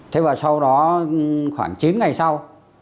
thế và sau đó khoảng chín ngày sau